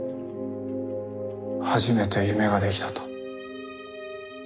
初めて夢ができたと。